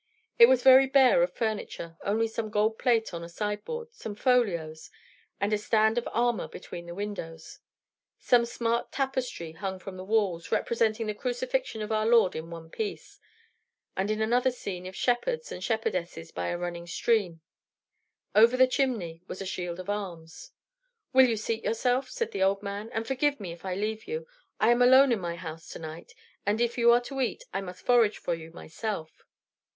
It was very bare of furniture; only some gold plate on a sideboard; some folios; and a stand of armor between the windows. Some smart tapestry hung upon the walls, representing the crucifixion of our Lord in one piece, and in another a scene of shepherds and shepherdesses by a running stream. Over the chimney was a shield of arms. "Will you seat yourself," said the old man, "and forgive me if I leave you? I am alone in my house to night, and if you are to eat I must forage for you myself."